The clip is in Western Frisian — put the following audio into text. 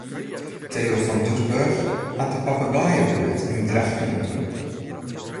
Theo van Doesburg hat de papegaaiebuert yn Drachten ûntwurpen.